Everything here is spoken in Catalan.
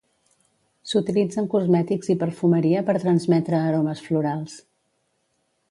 S'utilitza en cosmètics i perfumeria per transmetre aromes florals.